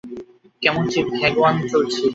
Comanche, dagger one চলছি।